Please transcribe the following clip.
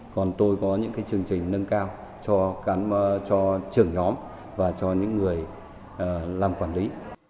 còn tôi có những chương trình nâng cao cho trưởng nhóm và cho những người làm quản lý